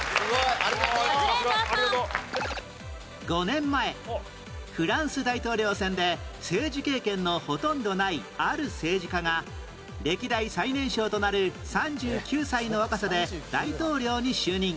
５年前フランス大統領選で政治経験のほとんどないある政治家が歴代最年少となる３９歳の若さで大統領に就任